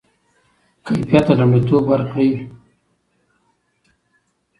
کیفیت ته لومړیتوب ورکړئ.